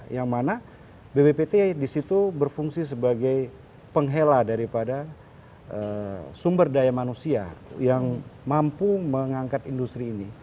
yang mana bppt di situ berfungsi sebagai penghela daripada sumber daya manusia yang mampu mengangkat industri ini